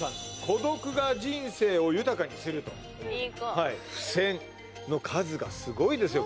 「孤独が人生を豊かにする」と・いい子はい付箋の数がすごいですよ・